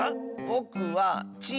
ぼくは「ち」！